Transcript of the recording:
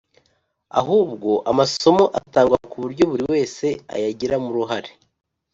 Ahubwo amasomo atangwa ku buryo buri wese ayagiramo uruhare